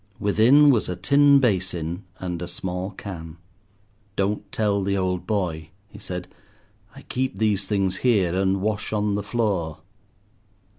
Within was a tin basin and a small can. "Don't tell the old boy," he said. "I keep these things here, and wash on the floor."